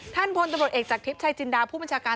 ท่านพลตำรวจเอกจากธิปไชยจินดาพูดบำชาการ